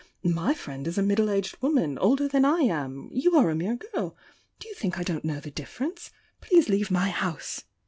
My friend is a middle ag^ woman, older than I am you are a mere g^l! Do you think I don't know the difference? Please leave my house!"